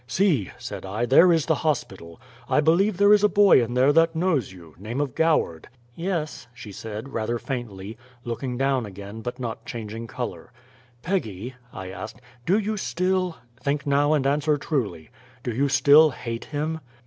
"See," said I, "there is the hospital. I believe there is a boy in there that knows you name of Goward." "Yes," she said, rather faintly, looking down again, but not changing color. "Peggy," I asked, "do you still think now, and answer truly do you still HATE him?"